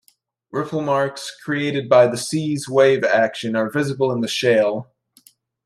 Ripple marks created by the sea's wave action are visible in the shale.